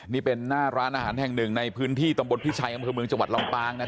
นี่เป็นหน้าร้านอาหารแห่งหนึ่งในพื้นที่ตรพิชัยกาแมรม